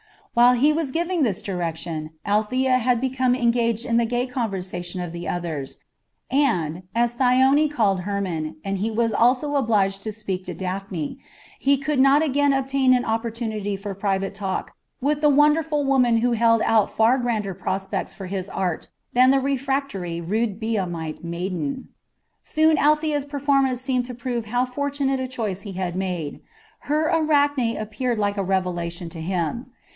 While he was giving this direction, Althea had become engaged in the gay conversation of the others, and, as Thyone called Hermon, and he was also obliged to speak to Daphne, he could not again obtain an opportunity for private talk with the wonderful woman who held out far grander prospects for his art than the refractory, rude Biamite maiden. Soon Althea's performance seemed to prove how fortunate a choice he had made. Her Arachne appeared like a revelation to him.